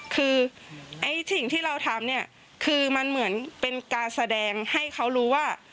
คือไอ้สิ่งที่เราทำเนี่ยคือมันเหมือนเป็นการแสดงให้เขารู้ว่า